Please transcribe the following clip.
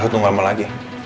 tunggu lama lagi